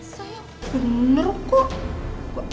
saya bener kok